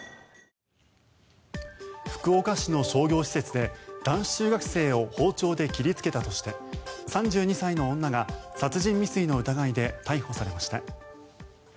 福岡市の商業施設で男子中学生を包丁で切りつけたとして３２歳の女が殺人未遂の疑いで逮捕されました。